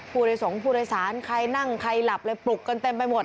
ผู้โดยสงค์ผู้โดยศาลใครนั่งใครหลับเลยปลุกกันเต็มไปหมด